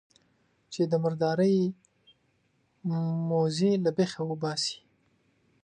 چې د مردارۍ موږی له بېخه وباسي.